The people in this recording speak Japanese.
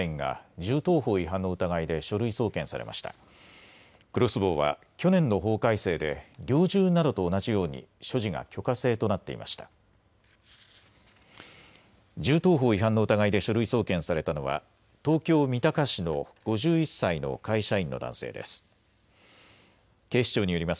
銃刀法違反の疑いで書類送検されたのは東京三鷹市の５１歳の会社員の男性です。